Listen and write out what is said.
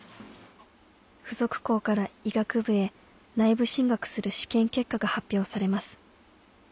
付属校から医学部へ内部進学する試験結果が発表されます